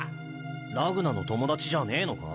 ラグナの友達じゃねえのか？